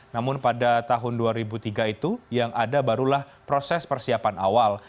namun pada tahun dua ribu tiga itu yang ada barulah proses persiapan awal